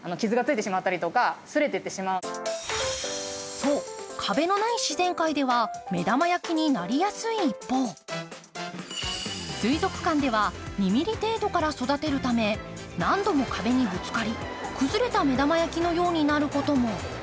そう、壁のない自然界では目玉焼きになりやすい一方水族館では２ｍｍ程度から育てるため何度も壁にぶつかり、崩れた目玉焼きのようになることも。